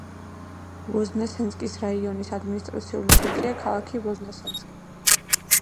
ვოზნესენსკის რაიონის ადმინისტრაციული ცენტრია ქალაქი ვოზნესენსკი.